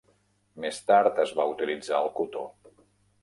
Més tard, es va utilitzar el cotó.